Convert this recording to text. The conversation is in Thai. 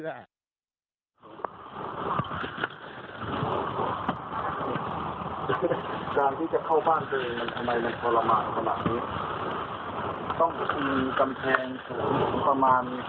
ดูครับ